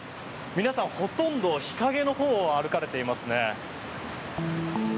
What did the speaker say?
皆さん、ほとんど日陰のほうを歩かれていますね。